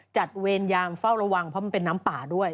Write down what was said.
เวรยามเฝ้าระวังเพราะมันเป็นน้ำป่าด้วย